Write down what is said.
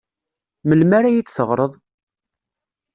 Melmi ara iyi-d-teɣreḍ?